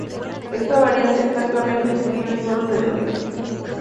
Esta variante está actualmente disponible sólo en el Reino Unido.